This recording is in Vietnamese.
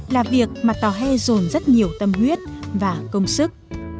là việc mà tòa he dồn rất nhiều tâm huyết và công sức